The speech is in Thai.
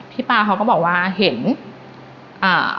ป้าเขาก็บอกว่าเห็นอ่า